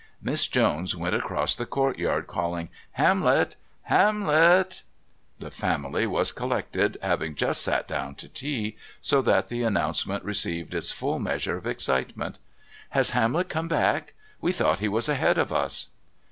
Miss Jones went across the courtyard, calling: "Hamlet! Hamlet!" The family was collected, having just sat down to tea, so that the announcement received its full measure of excitement. "Has Hamlet come back? We thought he was ahead of us."